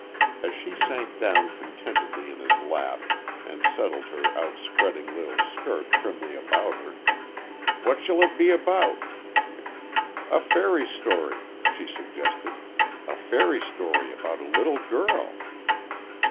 As she sank down contentedly in his lap, and settled her outspreading little skirt primly about her: "What shall it be about?" "A fairy story," she suggested. "A fairy story about a little girl."